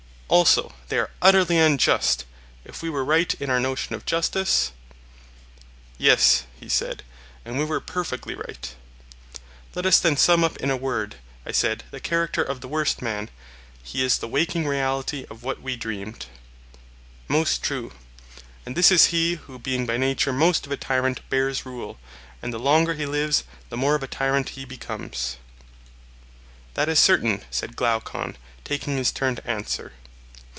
Also they are utterly unjust, if we were right in our notion of justice? Yes, he said, and we were perfectly right. Let us then sum up in a word, I said, the character of the worst man: he is the waking reality of what we dreamed. Most true. And this is he who being by nature most of a tyrant bears rule, and the longer he lives the more of a tyrant he becomes. That is certain, said Glaucon, taking his turn to answer.